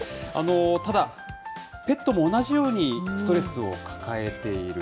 ただ、ペットも同じようにストレスを抱えている。